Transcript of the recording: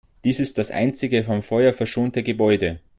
Dies ist das einzige vom Feuer verschonte Gebäude.